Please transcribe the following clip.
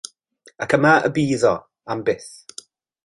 Ac yma y bydd o, am byth.